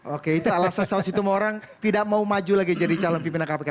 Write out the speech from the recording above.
oke salah satu situ orang tidak mau maju lagi jadi calon pimpinan